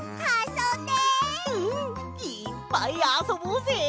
うんいっぱいあそぼうぜ！